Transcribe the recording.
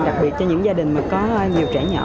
đặc biệt cho những gia đình mà có nhiều trẻ nhỏ